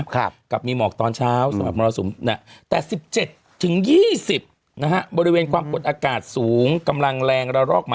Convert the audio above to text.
แต่ที่๑๗ถึง๒๐บริเวณความโกรธอากาศสูงรองนะคะ